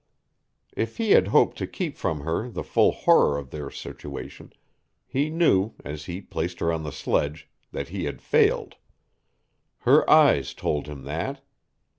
If he had hoped to keep from her the full horror of their situation, he knew, as he placed her on the sledge, that he had failed. Her eyes told him that.